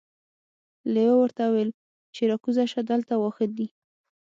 لیوه ورته وویل چې راکوزه شه دلته واښه دي.